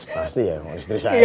pasti ya istri saya